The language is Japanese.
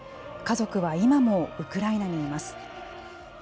家族は今もウクライナにいます。